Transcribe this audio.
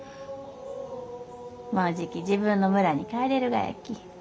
もうじき自分の村に帰れるがやき。